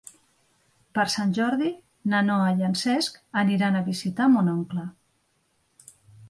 Per Sant Jordi na Noa i en Cesc aniran a visitar mon oncle.